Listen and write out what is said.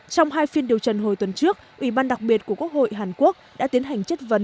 trong hai phiên điều trần hồi tuần trước ủy ban đặc biệt của quốc hội hàn quốc đã tiến hành chất vấn